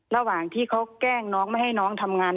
ระหว่างที่เขาแกล้งน้องไม่ให้น้องทำงาน